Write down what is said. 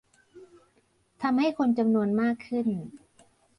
ทำให้คนจำนวนมากขึ้น